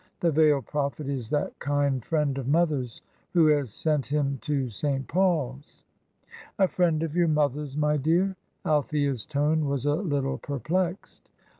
The veiled Prophet is that kind friend of mother's who has sent him to St. Paul's." "A friend of your mother's, my dear?" Althea's tone was a little perplexed.